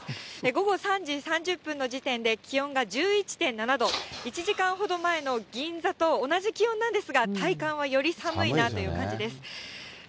午後３時３０分の時点で、気温が１１．７度、１時間ほど前の銀座と同じ気温なんですが、体感はより寒いなという感じです。